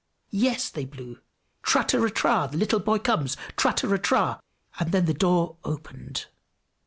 Yes, they blew "Trateratra! The little boy comes! Trateratra!" and then the door opened.